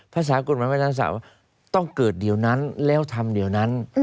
ภาษากฎหมายไม่ทันสาวต้องเกิดเดี๋ยวนั้นแล้วทำเดี๋ยวนั้น